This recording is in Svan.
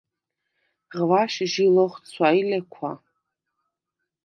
ღვაშ ჟი ლოხცვა ი ლექვა.